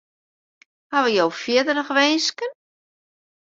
Hawwe jo fierder noch winsken?